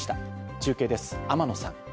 中継です、天野さん。